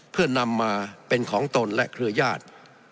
เพื่อนำมาเป็นของตนและเครือญาติ